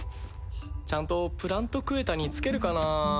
ちゃんとプラント・クエタに着けるかなぁ？